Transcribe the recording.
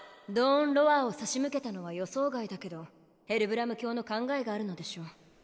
「暁闇の咆哮」を差し向けたのは予想外だけどヘルブラム卿の考えがあるのでしょう。